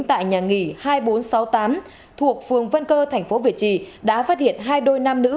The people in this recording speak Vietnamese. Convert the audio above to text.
tại nhà nghỉ hai nghìn bốn trăm sáu mươi tám thuộc phường vân cơ thành phố việt trì đã phát hiện hai đôi nam nữ